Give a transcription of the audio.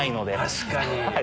確かに。